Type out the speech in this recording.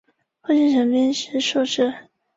父亲陈彬是塾师。